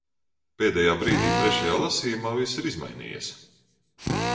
Pēdējā brīdī, trešajā lasījumā, viss ir izmainījies.